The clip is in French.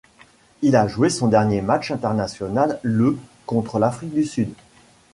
Il a joué son dernier match international le contre l'Afrique du Sud.